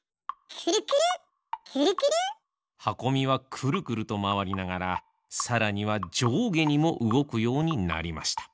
くるくるくるくる。はこみはくるくるとまわりながらさらにはじょうげにもうごくようになりました。